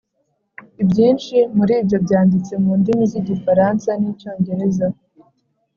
ibyinshi muri byo byanditse mu ndimi z’igifaransa n’icyongereza